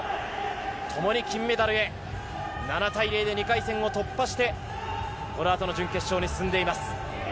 共に金メダルで７対０で２回戦を突破してこの後の準決勝に進んでいます。